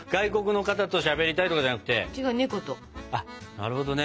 なるほどね。